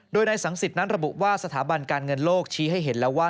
โดยนายสังสิทธิ์นั้นระบุว่าสถาบันการเงินโลกชี้ให้เห็นแล้วว่า